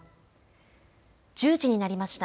１０時になりました。